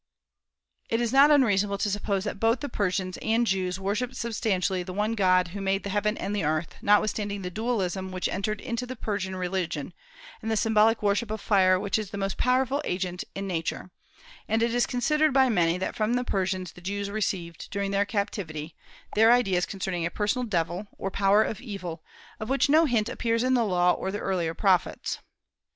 It is not unreasonable to suppose that both the Persians and Jews worshipped substantially the one God who made the heaven and the earth, notwithstanding the dualism which entered into the Persian religion, and the symbolic worship of fire which is the most powerful agent in Nature; and it is considered by many that from the Persians the Jews received, during their Captivity, their ideas concerning a personal Devil, or Power of Evil, of which no hint appears in the Law or the earlier Prophets.